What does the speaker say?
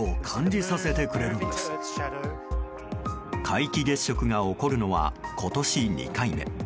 皆既月食が起こるのは今年２回目。